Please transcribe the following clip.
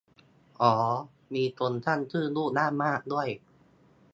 อ้อมีคนตั้งชื่อลูกว่ามากด้วย